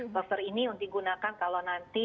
buffer ini digunakan kalau nanti